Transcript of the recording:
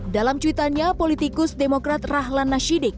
dalam cuitannya politikus demokrat rahlan nasyidik